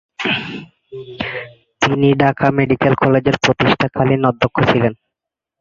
তিনি ঢাকা মেডিকেল কলেজের প্রতিষ্ঠাকালীন অধ্যক্ষ ছিলেন।